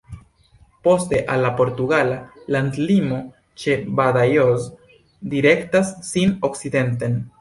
Poste al la portugala landlimo ĉe Badajoz direktas sin okcidenten.